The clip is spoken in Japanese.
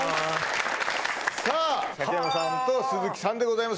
鮭山さんと鈴木さんでございます